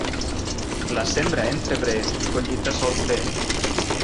La sembra en febrer, collita sol fer.